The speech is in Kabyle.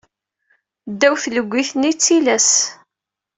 Ddaw tleggit-nni, d tillas.